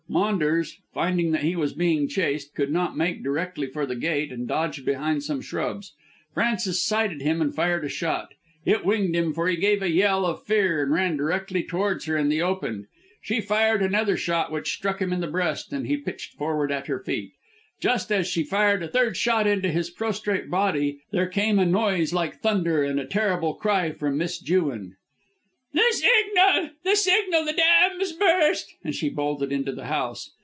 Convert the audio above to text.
Maunders, finding that he was being chased, could not make directly for the gate and dodged behind some shrubs. Frances sighted him and fired a shot. It winged him, for he gave a yell of fear and ran directly towards her in the open. She fired another shot, which struck him in the breast, and he pitched forward at her feet. Just as she fired a third shot into his prostrate body there came a noise like thunder and a terrible cry from Miss Jewin. "The signal! The signal! The dam's burst!" and she bolted into the house.